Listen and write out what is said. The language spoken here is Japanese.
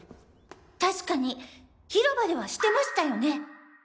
確かに広場ではしてましたよね？